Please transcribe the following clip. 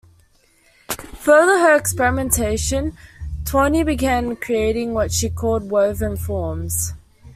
Furthering her experimentation, Tawney began creating what she called "woven forms".